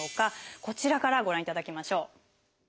こちらからご覧いただきましょう。